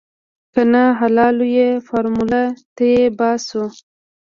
که نه حلالوو يې فارموله تې باسو.